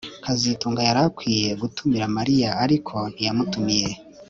S kazitunga yari akwiye gutumira Mariya ariko ntiyatumiye